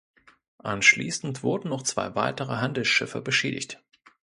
Anschließend wurden noch zwei weitere Handelsschiffe beschädigt.